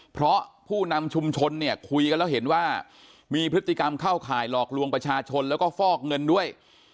เพราะผู้นำชุมชนเนี่ยคุยกันแล้วเห็นว่ามีพฤติกรรมเข้าข่ายหลอกลวงประชาชนแล้วก็ฟอกเงินด้วย